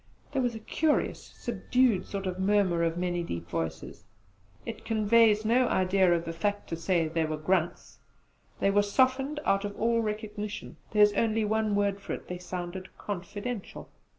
There was a curious subdued sort of murmur of many deep voices. It conveys no idea of the fact to say they were grunts. They were softened out of all recognition: there is only one word for it, they sounded 'confidential.'